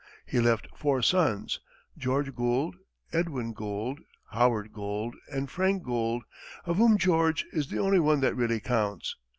He left four sons, George Gould, Edwin Gould, Howard Gould and Frank Gould, of whom George is the only one that really counts.